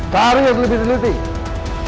taruh ya silih silih sih